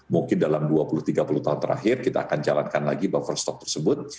mungkin dalam dua puluh tiga puluh tahun terakhir kita akan jalankan lagi buffer stok tersebut